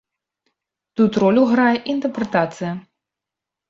Тут ролю грае інтэрпрэтацыя.